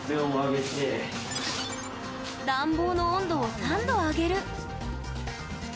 暖房の温度を３度上げる。